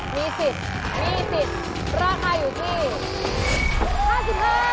มีสิทธิ์ราคาอยู่ที่๕๕บาท